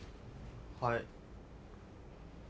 はい。